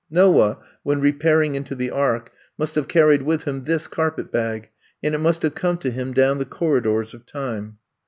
Noah, when repairing into the ark, must have carried with him this carpet bag, and it must have come to him down the corridors of time.